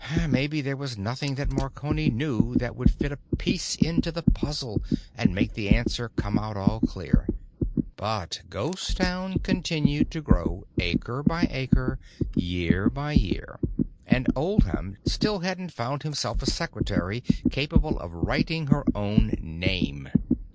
Maybe there was nothing that Marconi knew that would fit a piece into the puzzle and make the answer come out all clear—but Ghost Town continued to grow acre by acre, year by year. And Oldham still hadn't found him a secretary capable of writing her own name.